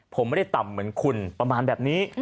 ผมไม่ได้ต่ำเหมือนคุณประมาณแบบนี้